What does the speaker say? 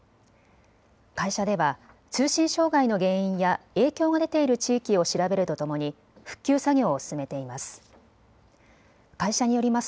会社では通信障害の原因や影響が出ている地域を調べるとともに復旧作業を進めています。